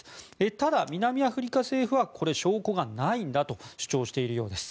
ただ、南アフリカ政府はこれは証拠がないんだと主張しているようです。